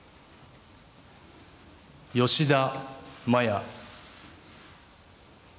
吉田麻也。